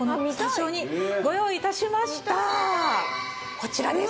こちらです。